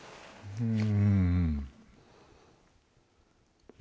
うん。